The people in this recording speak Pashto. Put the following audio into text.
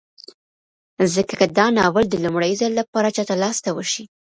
ځکه که دا ناول د لومړي ځل لپاره چاته لاس ته وشي